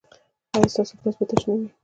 ایا ستاسو ګیلاس به تش نه وي؟